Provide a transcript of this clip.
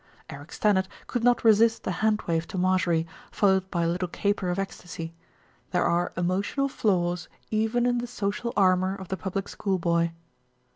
Eric Stannard could not resist a hand wave to Mar jorie, followed by a little caper of ecstasy there are emotional flaws even in the social armour of the public schoolboy.